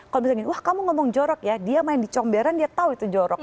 kalau misalnya wah kamu ngomong jorok ya dia main di comberan dia tahu itu jorok